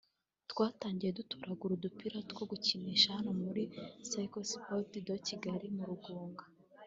twatangiye dutoragura udupira two gukinisha hano muri Cercle Sportif de Kigali mu Rugunga